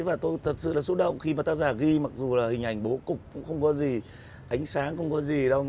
và tôi thật sự là xúc động khi mà tác giả ghi mặc dù là hình ảnh bố cục cũng không có gì ánh sáng không có gì đâu